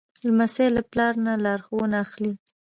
لمسی له پلار نه لارښوونه اخلي.